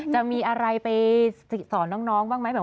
จะมีอะไรไปสอนน้องบ้างไหม